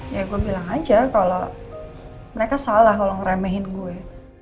ya gue bilang aja kalau mereka salah kalau ngeremehin gue